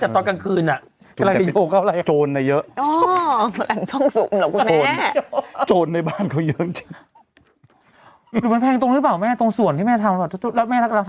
มาจากตอนกลางคืนน่ะ